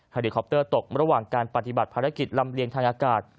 ลิคอปเตอร์ตกระหว่างการปฏิบัติภารกิจลำเลียงทางอากาศ